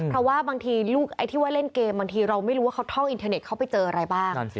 เพราะว่าบางทีไอ้ที่ว่าเล่นเกมบางทีเราไม่รู้ว่าเขาท่องอินเทอร์เน็ตเขาไปเจออะไรบ้าง